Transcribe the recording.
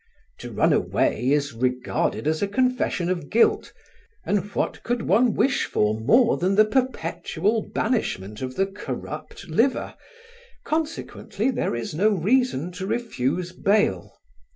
To run away is regarded as a confession of guilt, and what could one wish for more than the perpetual banishment of the corrupt liver, consequently there is no reason to refuse bail.